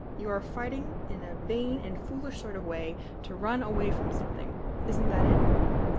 You are fighting in a vain and foolish sort of way to run away from something. Isn't that it?